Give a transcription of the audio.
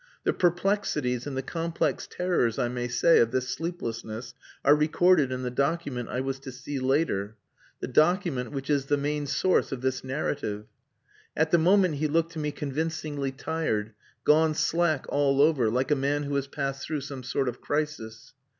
The perplexities and the complex terrors I may say of this sleeplessness are recorded in the document I was to see later the document which is the main source of this narrative. At the moment he looked to me convincingly tired, gone slack all over, like a man who has passed through some sort of crisis.